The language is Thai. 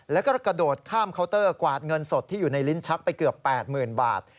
แล้วก็กระโดดข้ามเคาน์เตอร์กวาดเงินสดที่อยู่ในลิ้นชักไปเกือบ๘๐๐๐บาท